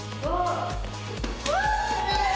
すごい。